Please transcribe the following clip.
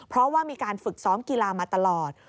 เพราะว่ามีการฝึกซ้อมกีฬามาตลอด